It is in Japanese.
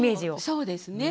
そうですね。